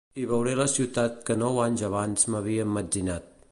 I veuré la ciutat que nou anys abans m'havia emmetzinat.